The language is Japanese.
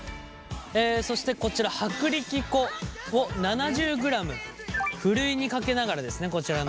そしてこちら薄力粉を７０ｇふるいにかけながらですねこちらの。